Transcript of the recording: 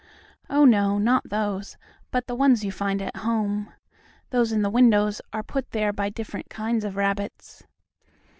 Oh, no, not those, but the ones you find at home. Those in the windows are put there by different kinds of rabbits.